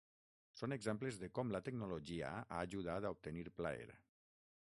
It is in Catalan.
Són exemples de com la tecnologia ha ajudat a obtenir plaer.